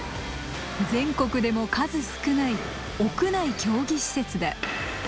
全国でも数少ない屋内競技施設だ。